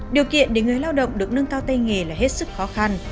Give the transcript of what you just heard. điều kiện để người lao động được nâng cao tay nghề là hết sức khó khăn